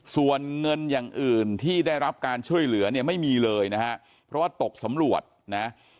ส่วนเงินอย่างอื่นที่ได้รับการช่วยเหลือเนี่ยไม่มีเลยนะฮะเพราะว่าตกสำรวจนะ